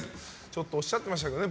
おっしゃってましたね